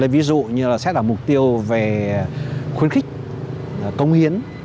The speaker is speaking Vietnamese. ví dụ như là xét đặt mục tiêu về khuyến khích công hiến